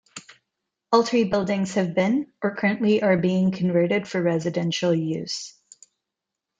All three buildings have been, or currently are being converted for residential use.